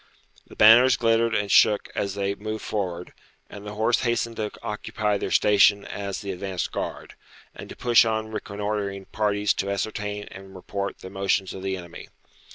The banners glittered and shook as they moved forward, and the horse hastened to occupy their station as the advanced guard, and to push on reconnoitring parties to ascertain and report the motions of the enemy.